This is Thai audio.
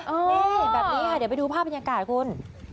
เอ๊ะแบบนี้ค่ะเดี๋ยวไปดูภาพอีกสรุปของคุณ